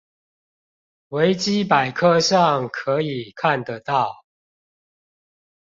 維基百科上可以看得到